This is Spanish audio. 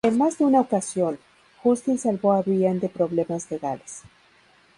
En más de una ocasión, Justin salvó a Brian de problemas legales.